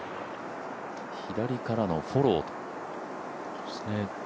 左からのフォロー。